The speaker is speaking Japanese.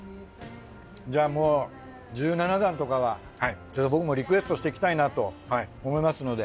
じゃあもう１７弾とかは僕もリクエストしていきたいなと思いますので。